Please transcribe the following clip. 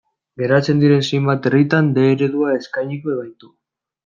Geratzen diren zenbait herritan D eredua eskainiko baitu.